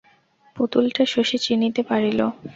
পুতুলটা শশী চিনিতে পারিল।